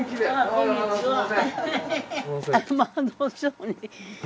こんにちは。